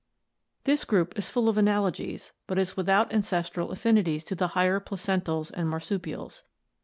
"This group is full of analogies, but is without ancestral affini ties to the higher placentals and marsupials.